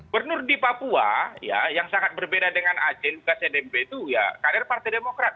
bernur di papua yang sangat berbeda dengan aceh bukan cdmp tuh ya kader partai demokrat